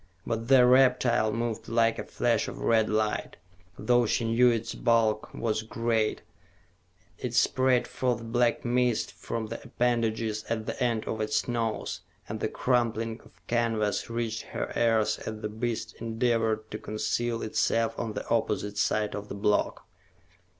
But the reptile moved like a flash of red light, though she knew its bulk was great; it sprayed forth black mist from the appendages at the end of its nose, and the crumpling of canvas reached her ears as the beast endeavored to conceal itself on the opposite side of the block.